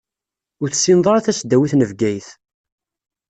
Ur tessineḍ ara tasdawit n Bgayet.